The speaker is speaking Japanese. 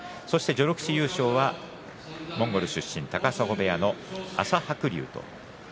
序ノ口優勝はモンゴル出身高砂部屋の朝白龍です。